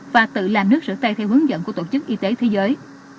và tự làm nước rửa tay theo hướng dẫn của tổ chức y tế thế giới